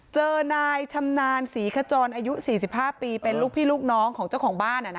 เจอนายชำนาญศรีขจรอายุ๔๕ปีเป็นลูกพี่ลูกน้องของเจ้าของบ้าน